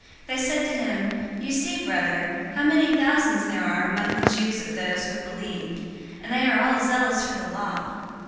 They said to him, "You see, brother, how many thousands there are among the Jews of those who have believed, and they are all zealous for the law.